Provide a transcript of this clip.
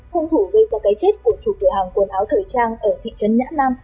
hung thủ gây ra cái chết của chủ cửa hàng quần áo thời trang ở thị trấn nhã nam